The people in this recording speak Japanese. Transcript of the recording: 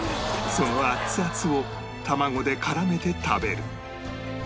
その熱々を卵で絡めて食べる